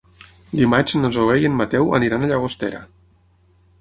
Dimarts na Zoè i en Mateu aniran a Llagostera.